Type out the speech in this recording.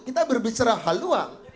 kita berbicara haluan